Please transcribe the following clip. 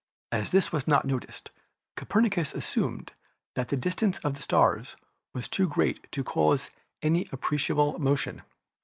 As this was not noticed, Copernicus assumed that the distance of the stars was too great to cause any appreciable motion.